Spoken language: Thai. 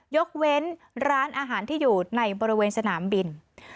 ยกเว้นร้านอาหารที่อยู่ในบริเวณสนามบิน